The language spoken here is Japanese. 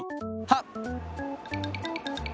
はっ！